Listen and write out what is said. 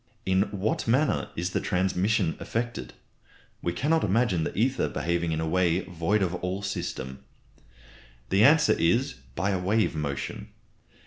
In what manner is the transmission effected? We cannot imagine the ether behaving in a way void of all system. The answer is, by a wave motion.